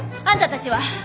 あんたたちは？